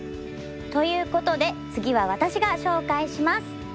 ということで次は私が紹介します。